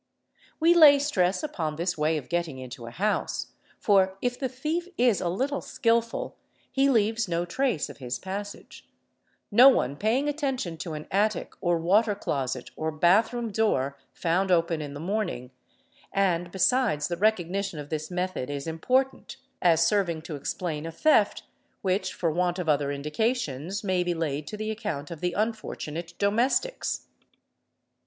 We lay stress upon this way of getting into a house, for, if the thief is a little skilful, he leaves no trace of his passage, no one paying attention to an attic or water closet or bathroom door found open in the morning; and besides the ENTERING IN OTHER WAYS 743 recognition of this method is important, as serving to explain a theft which for want of other indications may be laid to the account of the unfortunate domestics.